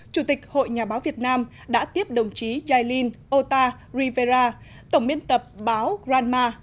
chủ tịch hội nhà báo việt nam đã tiếp đồng chí yailin ota rivera tổng biên tập báo granma